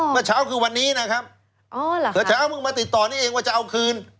เมื่อเช้าคือวันนี้นะครับเมื่อเช้าเพิ่งมาติดต่อนี่เองว่าจะเอาคืน